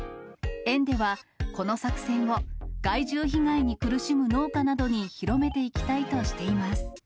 園では、この作戦を害獣被害に苦しむ農家などに広めていきたいとしています。